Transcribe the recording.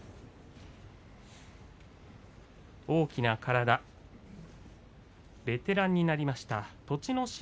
大きな体ベテランになりました、栃ノ